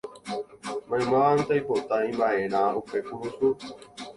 Maymávante oipota imba'erã upe kurusu